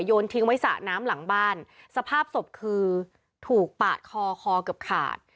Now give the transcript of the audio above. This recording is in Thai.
ทิ้งไว้สระน้ำหลังบ้านสภาพศพคือถูกปาดคอคอเกือบขาด